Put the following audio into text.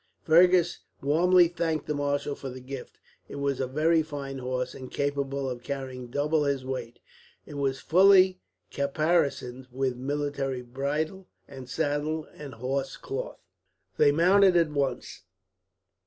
Fergus warmly thanked the marshal for the gift. It was a very fine horse, and capable of carrying double his weight. It was fully caparisoned with military bridle and saddle and horse cloth. They mounted at once.